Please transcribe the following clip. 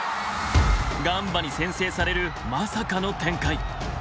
ガンバに先制されるまさかの展開。